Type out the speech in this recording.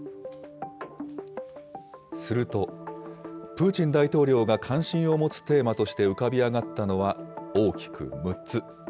すると、プーチン大統領が関心を持つテーマとして浮かび上がったのは、大きく６つ。